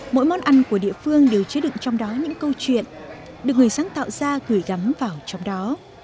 mỗi món ăn của địa phương đều chứa đựng trong đó những câu chuyện được người sáng tạo ra gửi gắm vào trong đó